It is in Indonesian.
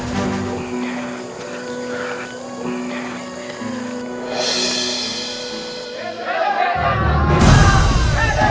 kalau kamu bingung sejak